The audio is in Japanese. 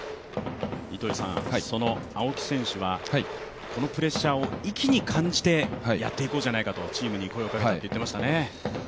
青木選手はこのプレッシャーを意気に感じてやっていこうとチームに声をかけたと言っていましたね。